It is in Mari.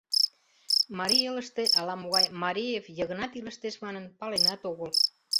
Марий элыште ала-могай Мареев Йыгнат илыштеш манын, паленат огыл.